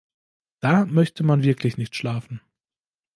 Da möchte man wirklich nicht schlafen.